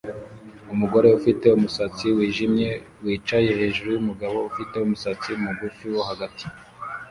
Umugore ufite umusatsi wijimye wicaye hejuru yumugabo ufite umusatsi mugufi wo hagati